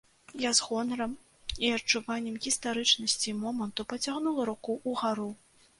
Я з гонарам і адчуваннем гістарычнасці моманту пацягнула руку ўгару.